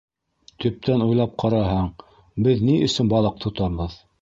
- Төптән уйлап ҡараһаң, беҙ ни өсөн балыҡ тотабыҙ?